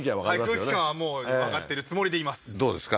空気感はもうわかってるつもりでいますどうですか？